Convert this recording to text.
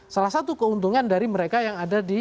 salah satu keuntungan dari mereka yang ada di